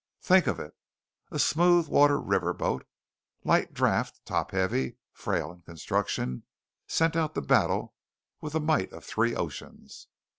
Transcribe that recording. Think of it! A smooth water river boat, light draught, top heavy, frail in construction, sent out to battle with the might of three oceans!